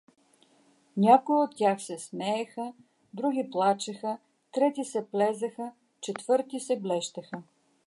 Някои от тях се смееха, други плачеха, трети се плезеха, четвърти се блещеха.